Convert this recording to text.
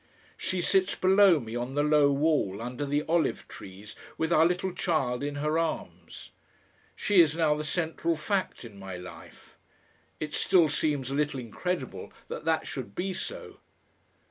She sits below me on the low wall under the olive trees with our little child in her arms. She is now the central fact in my life. It still seems a little incredible that that should be so.